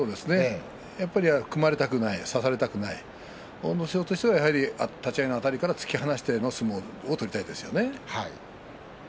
やっぱり組まれたくない差されたくない阿武咲としては立ち合いのあたりから突き放しての相撲を取りたいですよね。